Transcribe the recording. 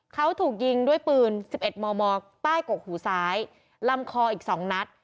เขาถูกยิงด้วยปืน๑๑มมใต้กกหูซ้ายลำคออีก๒นัด